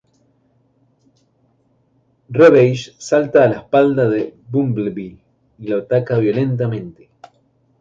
Ravage salta a la espalda de Bumblebee y lo ataca violentamente.